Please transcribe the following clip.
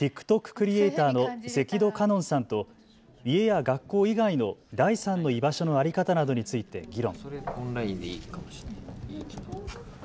クリエーターの関戸かのんさんと家や学校以外の第三の居場所の在り方などについて議論。